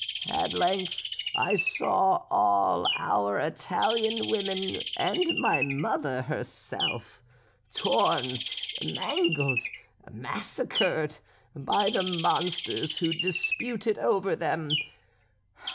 At length I saw all our Italian women, and my mother herself, torn, mangled, massacred, by the monsters who disputed over them.